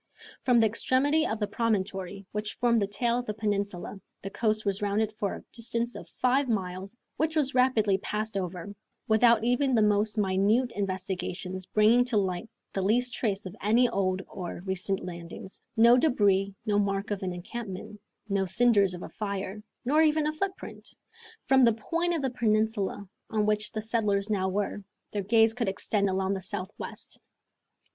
From the extremity of the promontory which formed the tail of the peninsula the coast was rounded for a distance of five miles, which was rapidly passed over, without even the most minute investigations bringing to light the least trace of any old or recent landings; no debris, no mark of an encampment, no cinders of a fire, nor even a footprint! From the point of the peninsula on which the settlers now were their gaze could extend along the southwest.